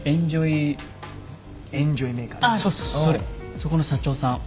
そこの社長さん